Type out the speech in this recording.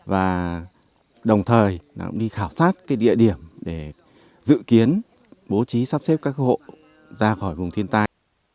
và đồng thời cũng đi khảo sát địa điểm để dự kiến bố trí sắp xếp các hộ ra khỏi vùng thiên tai